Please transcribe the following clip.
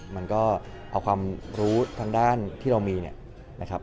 มันก็เอาความรู้ทางด้านที่เรามีเนี่ยนะครับ